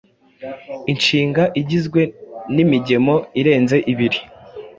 inshinga igizwe n’imigemo irenze ibiri,